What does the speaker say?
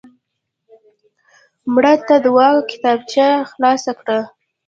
مړه ته د دعا کتابچه خلاص کړه